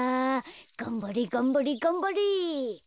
がんばれがんばれがんばれ！